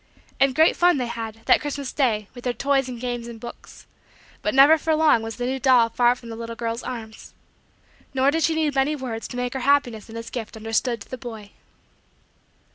And great fun they had, that Christmas day, with their toys and games and books; but never for long was the new doll far from the little girl's arms. Nor did she need many words to make her happiness in his gift understood to the boy.